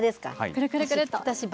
くるくるくるっと。